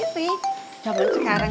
ya siapa yang mau cari